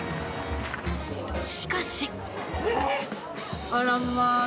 しかし。